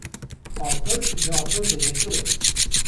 Aqil ji aqil zêdetir e